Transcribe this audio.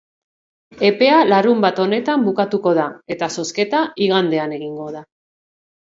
Epea larunbat honetan bukatuko da eta zozketa igandean egingo da.